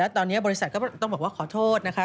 ตอนนี้บริษัทก็ต้องบอกว่าขอโทษนะคะ